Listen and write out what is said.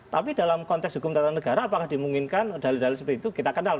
tapi dalam konteks hukum tata negara apakah dimungkinkan dalil dalil seperti itu kita kenal